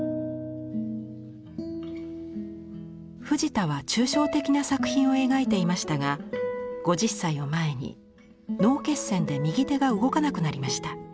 藤田は抽象的な作品を描いていましたが５０歳を前に脳血栓で右手が動かなくなりました。